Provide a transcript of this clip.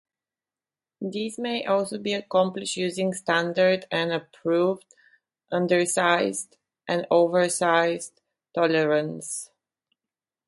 This may also be accomplished using "standard" and approved "undersized" and "oversized" tolerances.